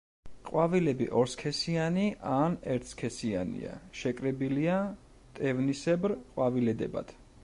ყვავილები ორსქესიანი ან ერთსქესიანია; შეკრებილია მტევნისებრ ყვავილედებად.